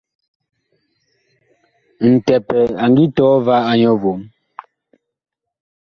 Ntɛpɛ a ngi tɔɔ va a nyɔ vom.